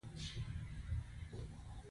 د هلمند څخه ورغلي وو.